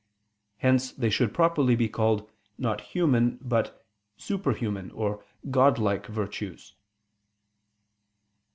Hence they should properly be called not human, but "super human" or godlike virtues.